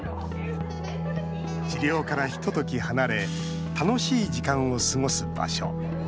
治療から、ひととき離れ楽しい時間を過ごす場所。